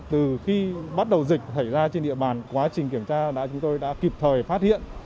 từ khi bắt đầu dịch xảy ra trên địa bàn quá trình kiểm tra đã chúng tôi đã kịp thời phát hiện